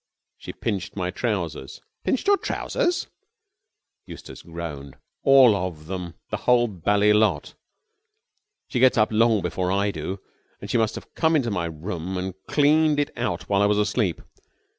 "She pinched my trousers!" "Pinched your trousers?" Eustace groaned. "All of them! The whole bally lot! She gets up long before I do, and she must have come into my room and cleaned it out while I was asleep.